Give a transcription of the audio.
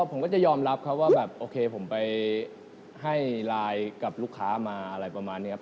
ผมก็จะยอมรับครับว่าแบบโอเคผมไปให้ไลน์กับลูกค้ามาอะไรประมาณนี้ครับ